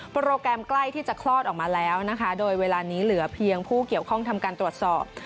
โปรแกรมใกล้ที่จะคลอดออกมาแล้วนะคะโดยเวลานี้เหลือเพียงผู้เกี่ยวข้องทำการตรวจสอบ